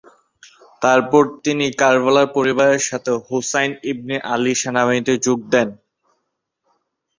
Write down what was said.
এরপরে তিনি কারবালায় পরিবারের সাথে হোসাইন ইবনে আলীর সেনাবাহিনীতে যোগ দেন।